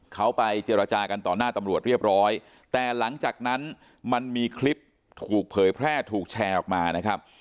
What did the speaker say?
เขาไปเจรจากันต่อหน้าตำรวจเรียบร้อยแต่หลังจากนั้นมันมีคลิปถูกเผยแพร่ถูกแชร์ออกมานะครับ